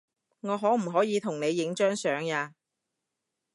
我可唔可以同你影張相呀